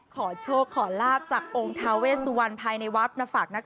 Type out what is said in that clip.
คุณผู้ชมดูไปพร้อมกันนะ